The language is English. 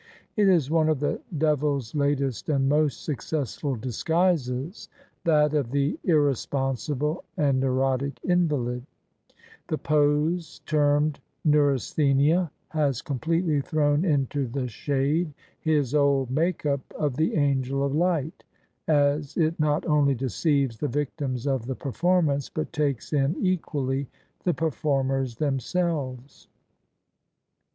It is one of the devil's latest and most successful disguises, that of the irre sponsible and neurotic invalid: the pose termed "neuras thenia" has completely thrown into the shade his old make up of the angel of light; as it not only deceives the victims of the performance, but takes in equally the per formers themselves.